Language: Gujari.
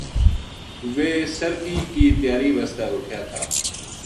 ویہ سرگی کی تیاری واسطے اُٹھیا تھا